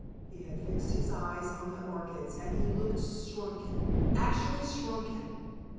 He had fixed his eyes on the orchids, and he looked shrunken, actually shrunken.